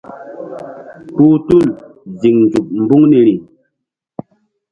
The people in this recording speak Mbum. Kpuh tul ziŋ nzuk mbuŋ niri.